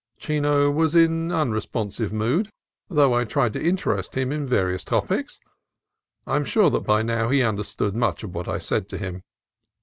Chino was in unresponsive mood, though I tried to interest him in various topics. I am sure that by now he understood much of what I said to him.